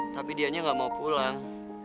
tapi dianya nggak mau pulang